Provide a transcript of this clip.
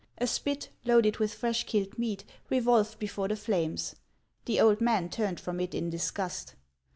A spit, loaded with fresh killed meat, revolved before the flames. The old man turned from it in disgust.